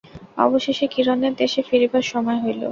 অবশেষে কিরণের দেশে ফিরিবার সময় হইল।